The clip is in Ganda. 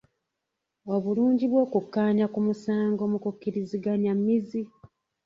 Obulungi bw'okukkaanya ku musango mu kukkiriziganya mmizi.